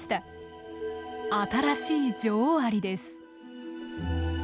新しい女王アリです。